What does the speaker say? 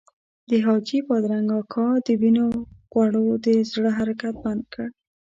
د حاجي بادرنګ اکا د وینو غوړو د زړه حرکت بند کړ.